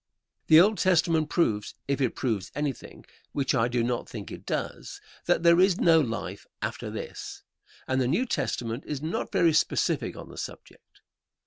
The Old Testament proves, if it proves anything which I do not think it does that there is no life after this; and the New Testament is not very specific on the subject.